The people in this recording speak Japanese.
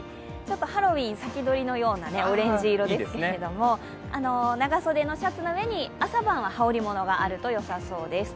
ハロウィーン先取りのようなオレンジ色ですけれども長袖のシャツの上に朝晩は羽織り物があるとよさそうです。